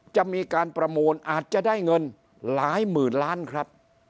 จะมีการประมูลอาจจะได้เงินหลายหมื่นล้านครับ